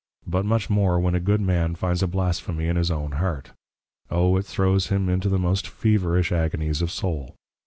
_ But much more when a good man finds a Blasphemy in his own Heart; O it throws him into most Fevourish Agonies of Soul.